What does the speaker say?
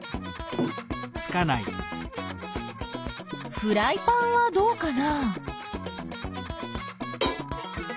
フライパンはどうかな？